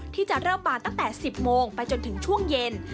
ที่จะเริ่มบานตั้งแต่๑๐โมงไปจนถึงช่วงเย็น